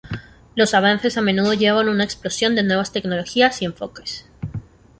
Los avances a menudo llevan a una explosión de nuevas tecnologías y enfoques.